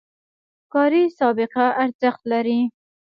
کاري سابقه ارزښت لري